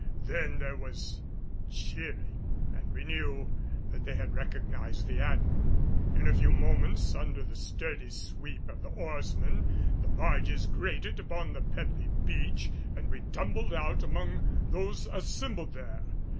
Then there was cheering, and we knew they had recognized the Admiral. In a few moments, under the sturdy sweep of the oarsmen, the barges grated upon the pebbly beach and we tumbled out among those assembled there.